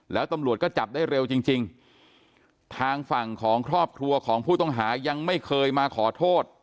แล้วตำรวจก็จับได้เร็วจริงจริงทางฝั่งของครอบครัวของผู้ต้องหายังไม่เคยมาขอโทษ